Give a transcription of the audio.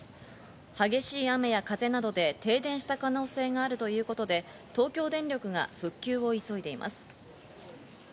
激しい雨や風などで停電した可能性があるということで、東京電力が復旧を急いでいます。